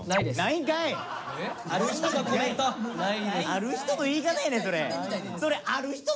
ある人の言い方やねんそれ！